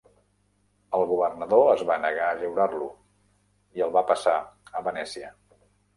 El governador es va negar a lliurar-lo, i el va passar a Venècia.